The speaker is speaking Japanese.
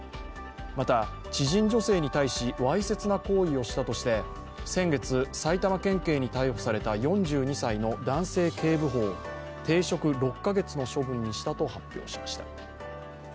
また知人女性に対しわいせつな行為をしたとして先月、埼玉県警に逮捕された４２歳の男性警部補を停職６カ月の処分にしたと発表しました。